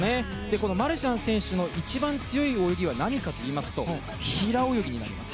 このマルシャン選手の一番強い泳ぎは何かといいますと平泳ぎになります。